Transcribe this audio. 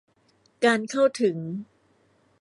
การเข้าถึง